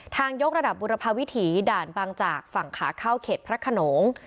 ยกระดับบุรพาวิถีด่านบางจากฝั่งขาเข้าเขตพระขนง